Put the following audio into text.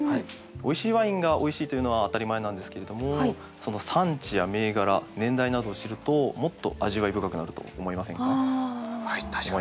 おいしいワインがおいしいというのは当たり前なんですけれどもその産地や銘柄年代などを知るともっと味わい深くなると思いませんか？